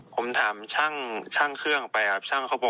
ผมถามช่างเครื่องไปครับ